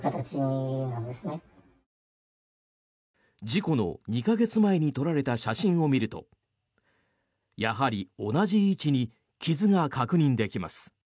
事故の２か月前に撮られた写真を見るとやはり同じ位置に傷が確認できます。